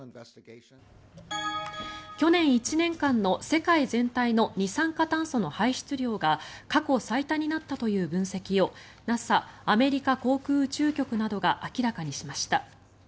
去年１年間の世界全体の二酸化炭素の排出量が過去最多になったという分析をＮＡＳＡ・アメリカ航空宇宙局などが明らかにしました。